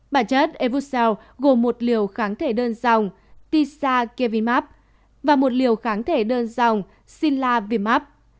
bản chất evusel gồm một liều kháng thể đơn dòng tisacavimab và một liều kháng thể đơn dòng silavimab